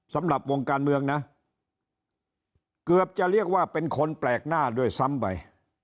สำหรับวงการเมืองนะเกือบจะเรียกว่าเป็นคนแปลกหน้าด้วยซ้ำไป